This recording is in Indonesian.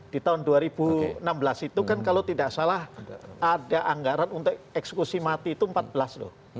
di tahun dua ribu enam belas itu kan kalau tidak salah ada anggaran untuk eksekusi mati itu empat belas loh